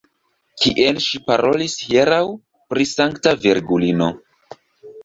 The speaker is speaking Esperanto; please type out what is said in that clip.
Kiel ŝi parolis hieraŭ pri Sankta Virgulino.